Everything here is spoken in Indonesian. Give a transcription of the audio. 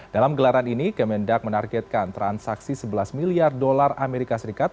dalam gelaran ini kemendak menargetkan transaksi sebelas miliar dolar amerika serikat